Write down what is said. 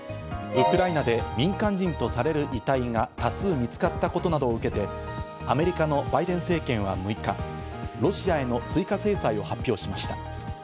ウクライナで民間人とされる遺体が多数見つかったことなどを受けてアメリカのバイデン政権は６日、ロシアへの追加制裁を発表しました。